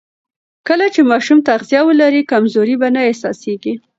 کله چې ماشوم تغذیه ولري، کمزوري به نه احساسېږي.